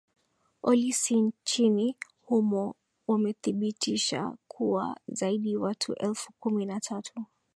olisi nchini humo wamethibitisha kuwa zaidi watu elfu kumi na tatu